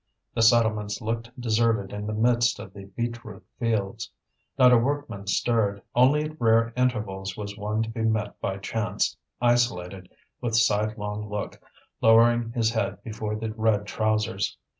The settlements looked deserted in the midst of the beetroot fields. Not a workman stirred, only at rare intervals was one to be met by chance, isolated, with sidelong look, lowering his head before the red trousers.